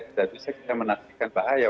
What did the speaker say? tidak bisa kita menafikan bahaya